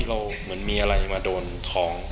เหมือนมีอะไรมาโดนทอง